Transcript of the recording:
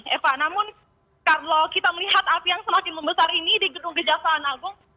eva namun kalau kita melihat api yang semakin membesar ini di gedung kejaksaan agung